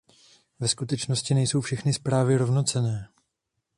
Ve skutečnosti nejsou všechny zprávy rovnocenné.